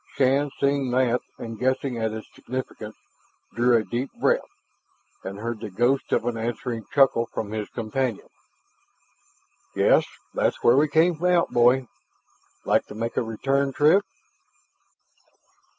Shann seeing that and guessing at its significance, drew a deep breath, and heard the ghost of an answering chuckle from his companion. "Yes, that's where we came out, boy. Like to make a return trip?"